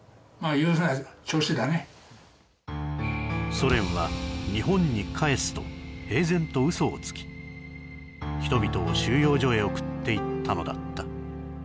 ソ連は日本に帰すと平然と嘘をつき人々を収容所へ送っていったのだった